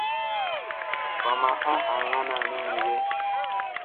Va ma a ɦaŋŋanani mi ge.